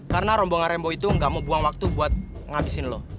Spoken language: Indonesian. karena rombongan rembo itu gak mau buang waktu buat ngabisin lo